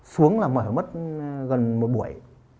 xuống là mở mất gần một buổi